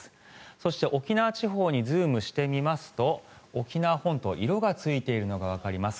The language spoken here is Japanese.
そして、沖縄地方にズームしてみますと沖縄本島色がついているのがわかります。